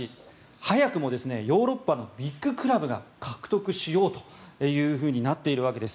早くもヨーロッパのビッグクラブが獲得しようというふうになっているわけです。